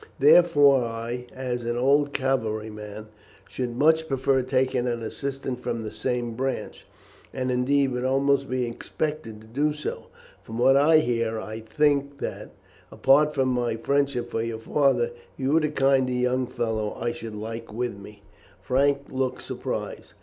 Therefore I, as an old cavalry man, should much prefer taking an assistant from the same branch, and indeed would almost be expected to do so. From what I hear, I think that, apart from my friendship for your father, you are the kind of young fellow I should like with me." Frank looked rather surprised.